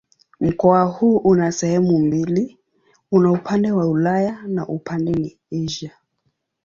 Mkoa huu una sehemu mbili: una upande wa Ulaya na upande ni Asia.